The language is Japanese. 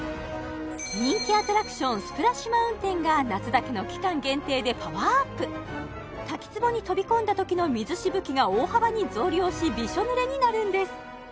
人気アトラクションスプラッシュ・マウンテンが夏だけの期間限定でパワーアップ滝つぼに飛び込んだときの水しぶきが大幅に増量しびしょ濡れになるんです